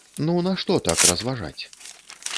Ну, нашто так разважаць?